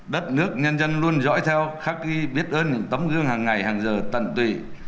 đất nước nhân dân luôn dõi theo khắc ghi biết ơn những tấm gương hàng ngày hàng giờ tận tụy